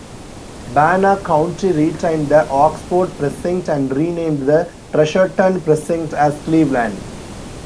Bannock County retained the Oxford precinct and renamed the Treasureton Precinct as Cleveland.